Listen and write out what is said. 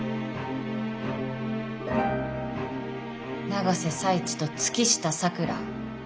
永瀬財地と月下咲良。